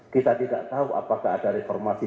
kita tidak tahu apakah ada reformasi